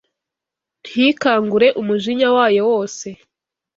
ntikangure umujinya wayo wose